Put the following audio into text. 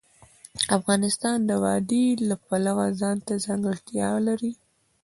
افغانستان د وادي د پلوه ځانته ځانګړتیا لري.